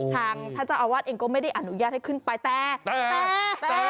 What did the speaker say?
ท่านเจ้าอาวาสเองก็ไม่ได้อนุญาตให้ขึ้นไปแต่แต่